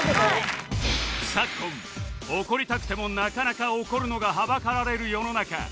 昨今怒りたくてもなかなか怒るのがはばかられる世の中